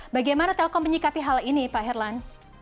bagaimana telkom menyikapi hal ini pak herlan